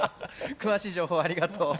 詳しい情報をありがとう。